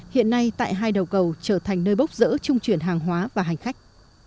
hiện nay tại hai đầu cầu trở thành nơi bốc rỡ chung chuyển hàng hóa và hành khách